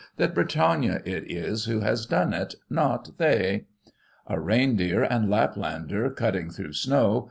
That Britannia it is who has done it, not they. A reindeer and Laplander cutting through snow.